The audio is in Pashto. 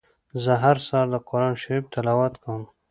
زه هر سهار د قرآن شريف تلاوت کوم.